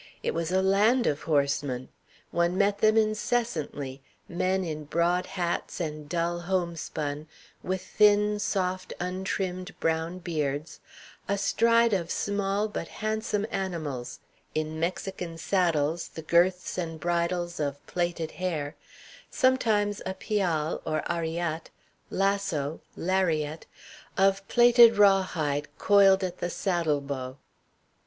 It was a land of horsemen. One met them incessantly; men in broad hats and dull homespun, with thin, soft, untrimmed brown beards, astride of small but handsome animals, in Mexican saddles, the girths and bridles of plaited hair, sometimes a pialle or arriatte lasso, lariat of plaited rawhide coiled at the saddle bow.